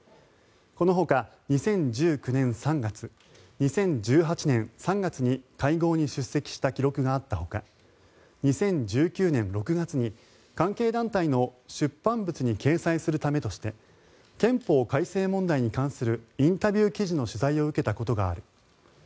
このほか、２０１９年３月２０１８年３月に会合に出席した記録があったほか２０１９年６月に関係団体の出版物に掲載するためとして憲法改正問題に関するインタビュー記事の取材を受けたことがある。